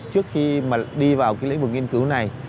trước khi mà đi vào cái lĩnh vực nghiên cứu này